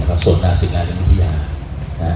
ของส่วนงาศิกราคนุธิยาและ